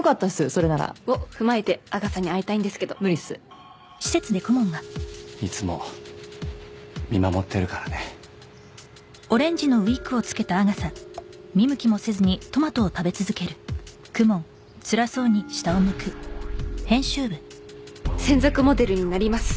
それならを踏まえてアガサに会いたいんですけど無理っすいつも見守ってるからね専属モデルになります